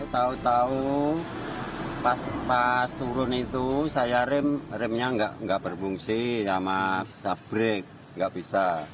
tahu tahu pas turun itu saya rem remnya nggak berfungsi sama sabrek nggak bisa